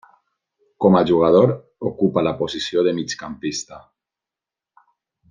Com a jugador ocupa la posició de migcampista.